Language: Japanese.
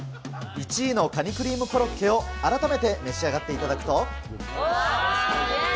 １位のカニクリームコロッケを改めて召し上がっていただくと。